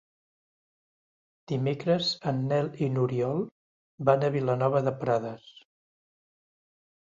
Dimecres en Nel i n'Oriol van a Vilanova de Prades.